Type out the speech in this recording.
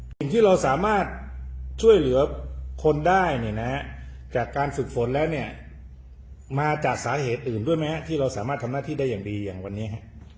อย่างนี้เราสามารถช่วยเหลือคนได้จากการฝึกฝนและมาจากสาเหตุอื่มด้วยมั้ยที่เราสามารถทำหน้าที่ได้อย่างดีอย่างวันนี้